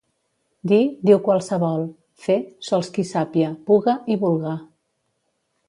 Dir, diu qualsevol; fer, sols qui sàpia, puga i vulga.